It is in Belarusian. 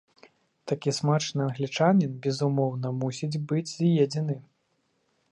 Такі смачны англічанін, безумоўна, мусіць быць з'едзены.